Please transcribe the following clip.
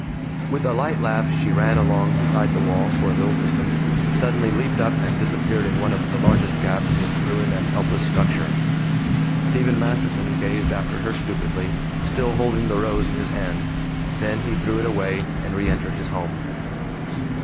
With a light laugh she ran along beside the wall for a little distance, suddenly leaped up and disappeared in one of the largest gaps in its ruined and helpless structure. Stephen Masterton gazed after her stupidly, still holding the rose in his hand. Then he threw it away and re entered his home.